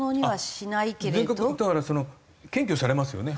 だから検挙されますよね